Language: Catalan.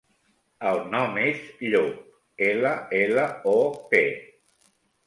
El nom és Llop: ela, ela, o, pe.